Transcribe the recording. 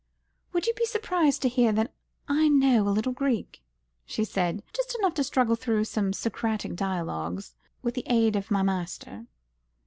"Would you be surprised to hear that I know a little Greek," she said, "just enough to struggle through the Socratic dialogues with the aid of my master?"